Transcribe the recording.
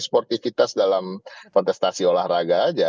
sportivitas dalam kontestasi olahraga aja